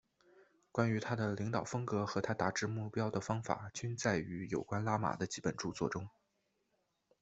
关于他的领导风格和他达至目标的方法均载于有关拉玛的几本着作中。